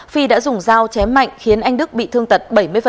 phi đã dùng dao chém mạnh khiến anh đức bị thương tật bảy mươi